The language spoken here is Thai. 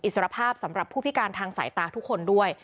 สรภาพสำหรับผู้พิการทางสายตาทุกคนด้วย